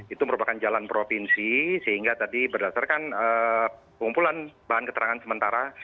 itu merupakan jalan provinsi sehingga tadi berdasarkan kumpulan bahan keterangan sementara